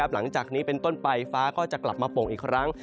หลังจากนี้เป็นต้นไปฟ้าก็จะกลับมาโป่งอีกครั้ง